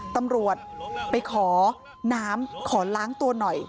ตำรวจไปขอน้ำขอล้างตัวหน่อย